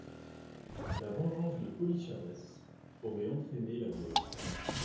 La vengeance de Polycharès aurait entraîné la guerre.